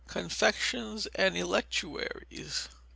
Confections and Electuaries.